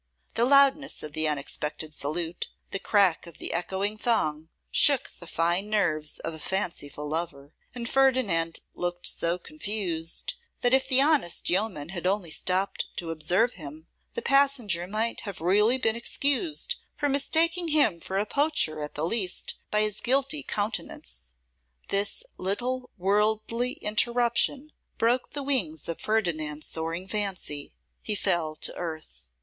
The loudness of the unexpected salute, the crack of the echoing thong, shook the fine nerves of a fanciful lover, and Ferdinand looked so confused, that if the honest yeoman had only stopped to observe him, the passenger might have really been excused for mistaking him for a poacher, at the least, by his guilty countenance. This little worldly interruption broke the wings of Ferdinand's soaring fancy. He fell to earth.